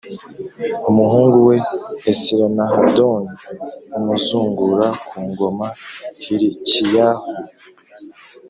Umuhungu we Esarihadoni amuzungura ku ngomaHilikiyahu,